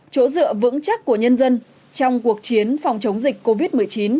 chỗ dựa vững chắc của nhân dân trong cuộc chiến phòng chống dịch covid một mươi chín